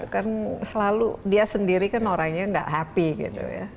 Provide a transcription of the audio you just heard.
kan selalu dia sendiri kan orangnya gak happy gitu ya